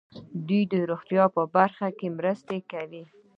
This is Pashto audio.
دوی د روغتیا په برخه کې مرستې کوي.